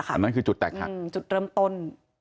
อันนั้นคือจุดแตกหักจุดเริ่มต้น